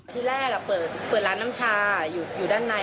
ที่แรกเปิดร้านน้ำชาอยู่ด้านใน